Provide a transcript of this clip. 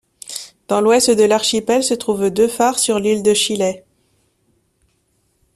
Dans l'Ouest de l'archipel se trouvent deux phares sur l'île de Shillay.